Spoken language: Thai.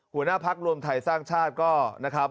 หัวหน้าพักรวมไทยสร้างชาติก็นะครับ